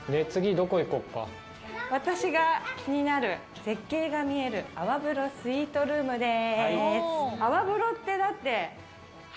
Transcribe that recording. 私が気になる絶景が見える、泡風呂スイートルームです。